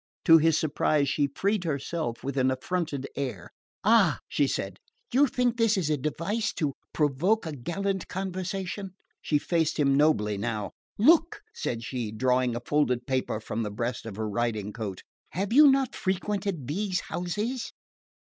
To his surprise she freed herself with an affronted air. "Ah," she said, "you think this a device to provoke a gallant conversation." She faced him nobly now. "Look," said she, drawing a folded paper from the breast of her riding coat. "Have you not frequented these houses?"